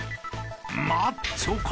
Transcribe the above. ［マッチョか？